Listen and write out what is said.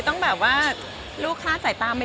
นี่